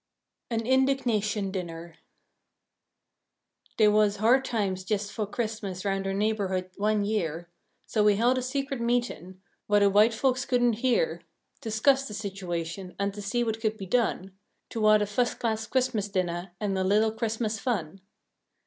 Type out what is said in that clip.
AN INDIGNATION DINNER Dey was hard times jes fo' Christmas round our neighborhood one year; So we held a secret meetin', whah de white folks couldn't hear, To 'scuss de situation, an' to see what could be done Towa'd a fust class Christmas dinneh an' a little Christmas fun.